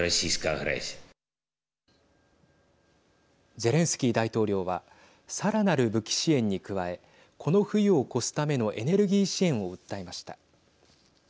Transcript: ゼレンスキー大統領はさらなる武器支援に加えこの冬を越すためのエネルギー支援を訴えました。